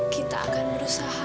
kita akan berusaha